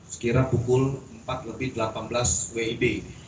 sekira pukul empat lebih delapan belas wib